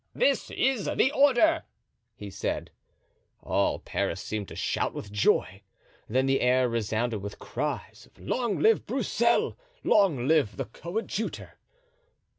"This is the order," he said. All Paris seemed to shout with joy, and then the air resounded with the cries of "Long live Broussel!" "Long live the coadjutor!"